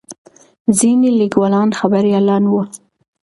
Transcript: ځینې لیکوالان خبریالان وو.